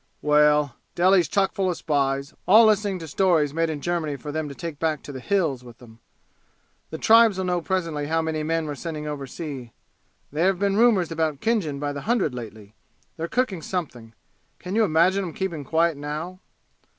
"Well Delhi's chock full of spies, all listening to stories made in Germany for them to take back to the 'Hills' with 'em. The tribes'll know presently how many men we're sending oversea. There've been rumors about Khinjan by the hundred lately. They're cooking something. Can you imagine 'em keeping quiet now?"